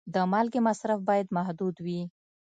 د مالګې مصرف باید محدود وي.